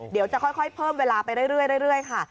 เดี๋ยวจะค่อยเพิ่มเวลาไปเรื่อยค่ะ